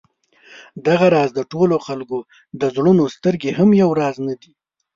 دغه راز د ټولو خلکو د زړونو سترګې هم یو راز نه دي.